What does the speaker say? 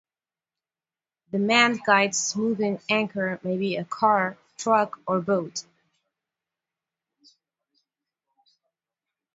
The manned kite's moving anchor may be a car, truck, or boat.